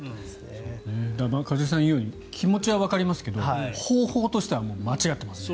一茂さんが言うように気持ちはわかりますが方法としては間違ってますね。